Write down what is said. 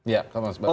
ya pak mas basarah